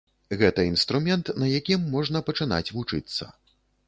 Гэта інструмент, на якім можна пачынаць вучыцца.